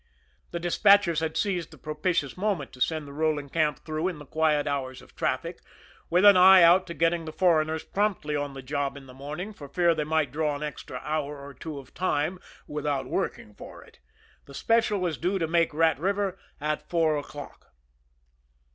The despatchers had seized the propitious moment to send the rolling camp through in the quiet hours of traffic, with an eye out to getting the foreigners promptly on the job in the morning for fear they might draw an extra hour or two of time without working for it! The Special was due to make Rat River at four o'clock.